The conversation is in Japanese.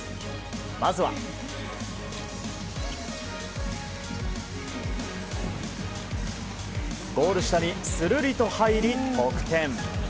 まずは、ゴール下にするりと入り、得点。